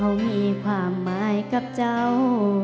เขามีความหมายกับเจ้า